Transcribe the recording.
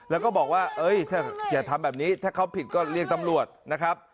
แล้วก็บอกว่าถ้าอย่าทำแบบนี้ถ้าเขาผิดก็เรียกตำรวจนะครับ